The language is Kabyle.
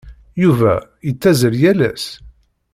Yuba yettazzal yal ass?